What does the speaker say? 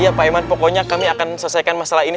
iya pak iman pokoknya kami akan selesaikan masalah ini